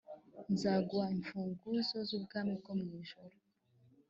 nzaguha imfunguzo z’ubwami bwo mu ijuru